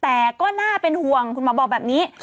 แต่ก็น่าเป็นห่วงคุณหมอบอกแบบนี้